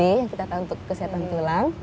vitamin d yang kita tahu untuk kesehatan tulang